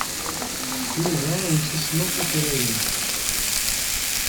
Yuba yessemsad tiferyin.